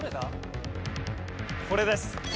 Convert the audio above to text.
これです。